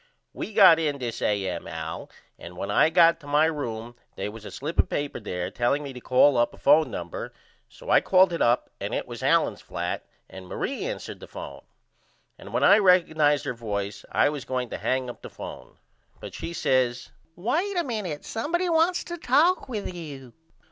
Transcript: We got in this A.M. Al and when I got to my room they was a slip of paper there telling me to call up a phone number so I called it up and it was Allen's flat and Marie answered the phone. And when I rekonized her voice I was going to hang up the phone but she says Wait a minute somebody wants to talk with you.